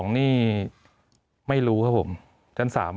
มีความรู้สึกว่ามีความรู้สึกว่า